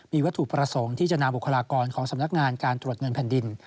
มีวัตถุประสงค์ที่จะนำบุคลากรของสำนักงานการตรวจเงินแผ่นดิน